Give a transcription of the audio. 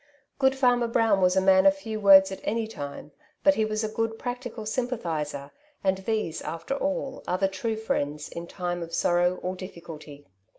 Grood Farmer Brown was a man of few words at any time^ but he was a good practical sympathizer^ and these after all are the tme friends in time of sorrow or difficalty.